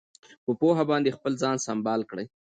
په پوهه باندې خپل ځان سمبال کړئ.